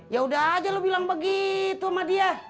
yaudah aja lo bilang begitu sama dia